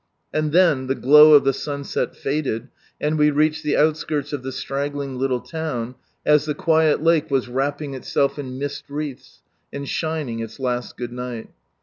And then the glow of the sunset faded, and we reached the outskirts of the straggling little town as the quiet lake was wrapping itself in mist wreaths, and shining its last Goodnight.